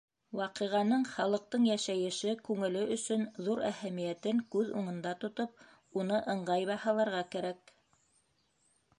Ваҡиғаның халыҡтың йәшәйеше, күңеле өсөн ҙур әһәмиәтен күҙ уңында тотоп, уны ыңғай баһаларға кәрәк.